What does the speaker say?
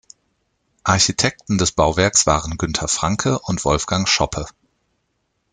Architekten des Bauwerks waren Günter Franke und Wolfgang Schoppe.